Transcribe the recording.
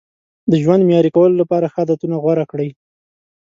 د ژوند معیاري کولو لپاره ښه عادتونه غوره کړئ.